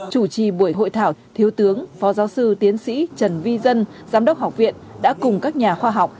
chủ trì buổi hội thảo thiếu tướng phó giáo sư tiến sĩ trần vi dân giám đốc học viện đã cùng các nhà khoa học